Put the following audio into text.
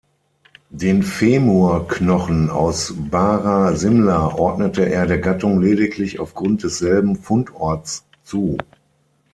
Den Femur-Knochen aus Bara-Simla ordnete er der Gattung lediglich aufgrund desselben Fundorts zu.